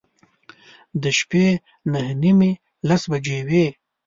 د شپې نهه نیمې، لس بجې به وې.